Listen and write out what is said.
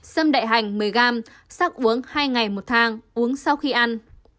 xâm đại hành một mươi g sắc uống hai ngày một thang uống sau khi ăn